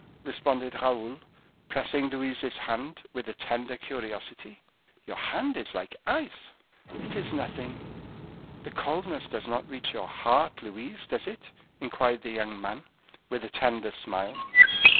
responded Raoul, pressing Louise's hand with a tender curiosity. "Your hand is like ice." "It is nothing." "This coldness does not reach your heart, Louise, does it?" inquired the young man, with a tender smile.